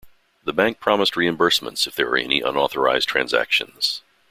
The bank promised reimbursements if there are any unauthorised transactions.